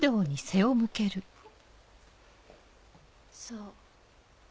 そう。